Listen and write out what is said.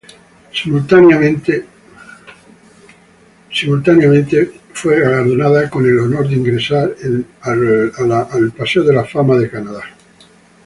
Simultáneamente, fue galardonada con el honor de ingresar al "Walk of fame" de Canadá.